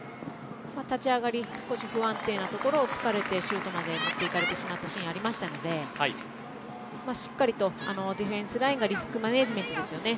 立ち上がり少し不安定なところを突かれてシュートまで持って行かれたシーンありますのでしっかりとディフェンスラインがリスクマネジメントですよね。